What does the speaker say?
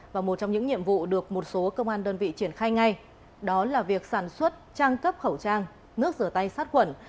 và một trong những nhiệm vụ được một số công an đơn vị triển khai ngay đó là việc sản xuất trang cấp khẩu trang nước rửa tay sát khuẩn